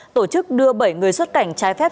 tổ chức đưa bảy người xuất cảnh trái phép